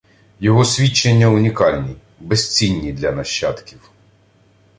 Його свідчення унікальні, безцінні для нащадків